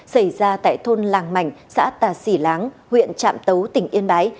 xảy ra tại thôn làng mảnh xã tà sì láng huyện trạm tấu tỉnh yên bái